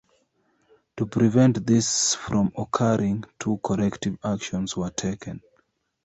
To prevent this from occurring, two corrective actions were taken.